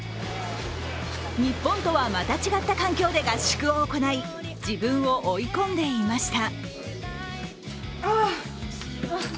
日本とはまた違った環境で合宿を行い、自分を追い込んでいました。